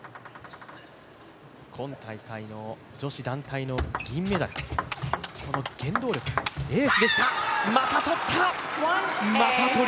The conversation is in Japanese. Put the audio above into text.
今大会の女子団体の銀メダル、原動力、エースでした。